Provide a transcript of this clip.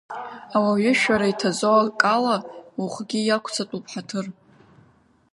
Ауаҩышәара иҭаӡо акала, ухгьы иақәҵатәуп ҳаҭыр.